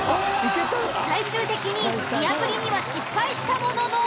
最終的に見破りには失敗したものの。